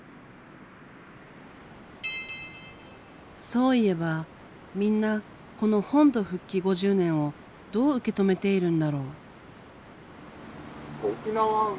そういえばみんなこの本土復帰５０年をどう受け止めているんだろう。